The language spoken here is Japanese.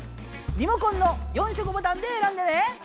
リモコンの４色ボタンでえらんでね！